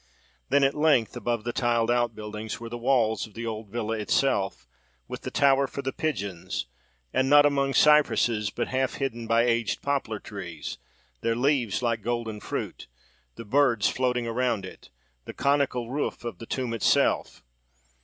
Then, at length, above the tiled outbuildings, were the walls of the old villa itself, with the tower for the pigeons; and, not among cypresses, but half hidden by aged poplar trees, their leaves like golden fruit, the birds floating around it, the conical roof of the tomb itself.